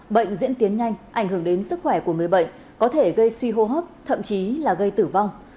bệnh diễn tiến nhanh ảnh hưởng đến sức khỏe của người bệnh có thể gây suy hô hấp thậm chí là gây tử vong